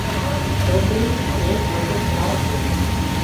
سوڪرِي ايڪ مددگار سي